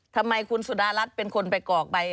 ทำไมคุณสุดารัฐเป็นคนไปกรอกใบ